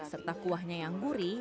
serta kuahnya yang gurih